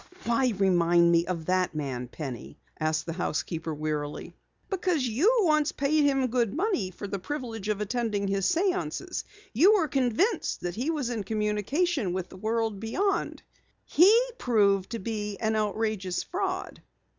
"Why remind me of that man, Penny?" asked the housekeeper wearily. "Because you once paid him good money for the privilege of attending his séances. You were convinced he was in communication with the world beyond. He proved to be an outrageous fraud."